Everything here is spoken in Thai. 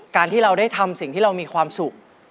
การที่เราได้ทำสิ่งที่เรามีความสุข